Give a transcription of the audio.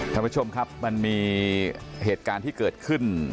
ท่านผู้ชมครับมันมีเหตุการณ์ที่เกิดขึ้น